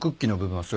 はい。